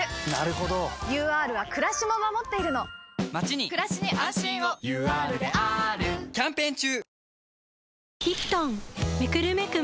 ＵＲはくらしも守っているのまちにくらしに安心をＵＲであーるキャンペーン中！